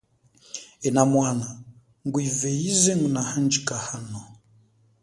Ena mwana, ngwive yize nguna handjika hano.